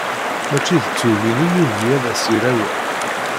Mačči d tugin i yugi ad as-yerrawal.